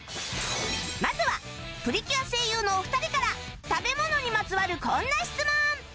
まずはプリキュア声優のお二人から食べ物にまつわるこんな質問